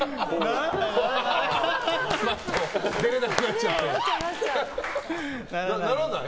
出れなくなっちゃって。ならない。